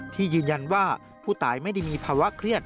ยืนยันว่าผู้ตายไม่ได้มีภาวะเครียด